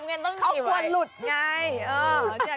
เขาก็ควรหลุดไง